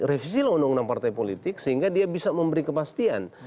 revisi undang undang partai politik sehingga dia bisa memberi kepastian